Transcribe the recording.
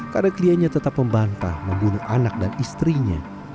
karena kliennya tetap membantah membunuh anak dan istrinya